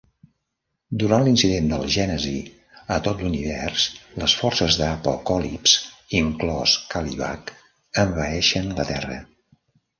Durant l'incident del "Gènesi" a tot l'univers, les forces d'Apokolips, inclòs Kalibak, envaeixen la Terra.